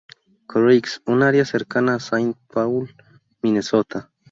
Croix, un área cercana a Saint Paul, Minnesota.